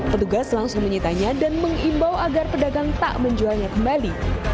petugas langsung menyitanya dan mengimbau agar pedagang tak menjualnya kembali